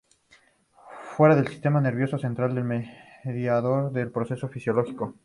Fuera del sistema nervioso central es un mediador de procesos fisiológicos.